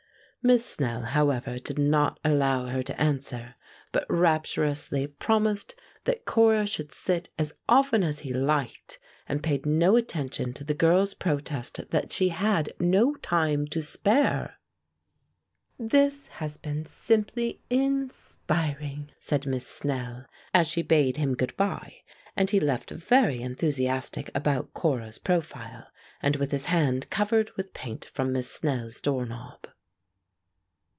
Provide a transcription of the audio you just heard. Miss Snell, however, did not allow her to answer, but rapturously promised that Cora should sit as often as he liked, and paid no attention to the girl's protest that she had no time to spare. "This has been simply in spiring!" said Miss Snell, as she bade him good bye, and he left very enthusiastic about Cora's profile, and with his hand covered with paint from Miss Snell's door knob.